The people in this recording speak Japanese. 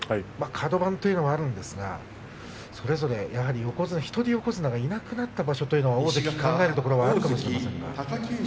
カド番というのはあるんですがそれぞれやはり一人横綱がいなくなった場所というのは大関は考えるかもしれませんが。